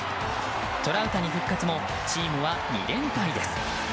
トラウタニ復活もチームは２連敗です。